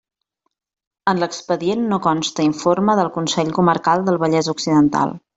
En l'expedient no consta informe del Consell Comarcal del Vallès Occidental.